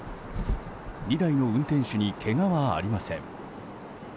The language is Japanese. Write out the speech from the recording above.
２台の運転手にけがはありません。